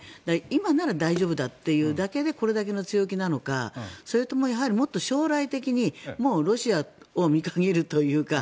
今なら大丈夫だというだけでこれだけの強気なのかそれとも、もっと将来的にもうロシアを見限るというか